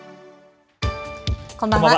こんばんは。